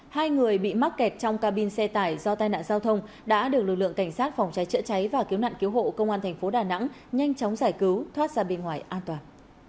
hai người bị mắc kẹt trong cabin xe tải do tai nạn giao thông đã được lực lượng cảnh sát phòng cháy chữa cháy và cứu nạn cứu hộ công an thành phố đà nẵng nhanh chóng giải cứu thoát ra bên ngoài an toàn